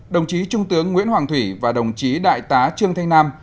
đồng chí trung tướng nguyễn hoàng thủy và đồng chí đại tá trương thanh nam